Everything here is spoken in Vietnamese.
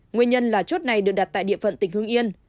nguyên nhân là chốt này được đặt tại địa phận tỉnh hương yên